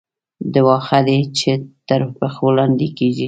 دا واښه دي چې تر پښو لاندې کېږي.